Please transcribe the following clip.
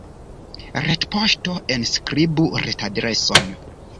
Retpoŝto Enskribu retadreson.